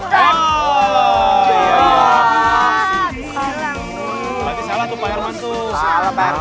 lagi salah tuh pak herman tuh